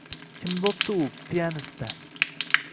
Kim bo`pti u, piyanista